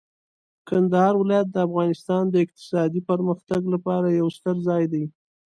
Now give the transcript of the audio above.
کندهار ولایت د افغانستان د اقتصادي پرمختګ لپاره یو ستر ځای دی.